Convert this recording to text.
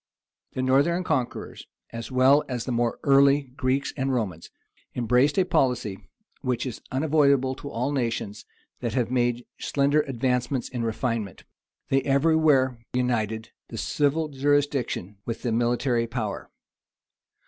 The northern conquerors, as well as the more early Greeks and Romans, embraced a policy, which is unavoidable to all nations that have made slender advances in refinement: they every where united the civil jurisdiction with the military power.